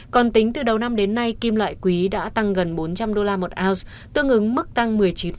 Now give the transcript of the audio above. còn tính từ đầu năm đến nay kim loại quý đã tăng gần bốn trăm linh đô la một ounce tương ứng mức tăng một mươi chín